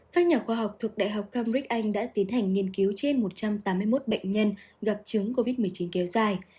các nhà khoa học thuộc đại học cambric anh đã tiến hành nghiên cứu trên một trăm tám mươi một bệnh nhân gặp chứng covid một mươi chín kéo dài